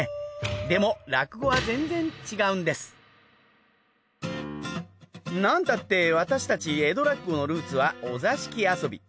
でも落語は全然違うんですなんたって私たち江戸落語のルーツはお座敷遊び。